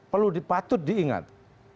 perlu dipatuh diingat